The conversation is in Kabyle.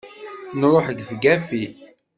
Nruḥ gefgafi!